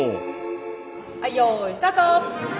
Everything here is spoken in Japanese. はいよいスタート！